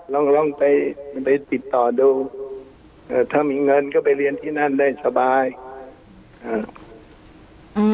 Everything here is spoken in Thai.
ลองลองไปไปติดต่อดูเอ่อถ้ามีเงินก็ไปเรียนที่นั่นได้สบายอ่า